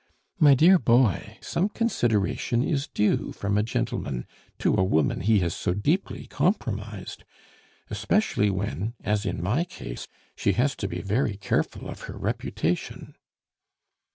My dear boy, some consideration is due from a gentleman to a woman he has so deeply compromised, especially when, as in my case, she has to be very careful of her reputation.